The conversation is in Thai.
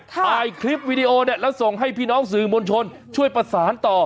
ถ่ายคลิปวิดีโอเนี่ยแล้วส่งให้พี่น้องสื่อมวลชนช่วยประสานต่อ